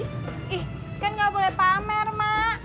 ih kan nggak boleh pamer mak